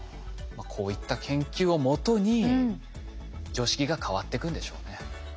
こういった研究をもとに常識が変わっていくんでしょうね。